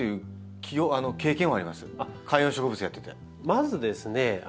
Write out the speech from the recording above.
まずですね